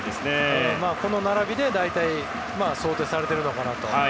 この並びで大体想定されているのかなと。